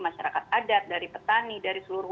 masyarakat adat dari petani dari seluruh